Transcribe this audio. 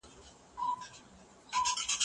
په میراجان پسي مي پل د قلندر اخیستی